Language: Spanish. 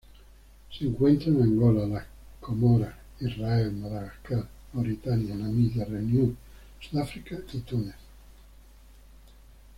Se encuentra en Angola, las Comoras, Israel Madagascar, Mauritania, Namibia, Reunión, Sudáfrica y Túnez.